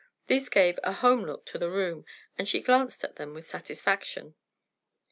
These gave a home look to the room, and she glanced at them with satisfaction.